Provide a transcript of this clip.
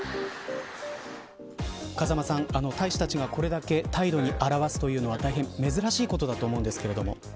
風間さん、大使たちがこれだけ態度に表すというのは大変珍しいことだと思うんですけれども。